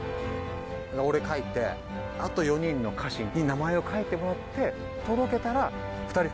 俺書いてあと４人の家臣に名前を書いてもらって届けたら。